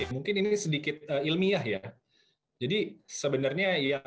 mungkin ini sedikit ilmiah ya